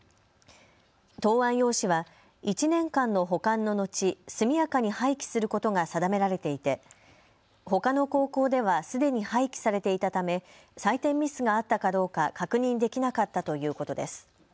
答案用紙は１年間の保管の後、速やかに廃棄することが定められていてほかの高校ではすでに廃棄されていたため採点ミスがあったかどうか確認できなかったということです。